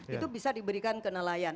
itu bisa diberikan ke nelayan